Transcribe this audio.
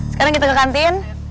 sekarang kita ke kantin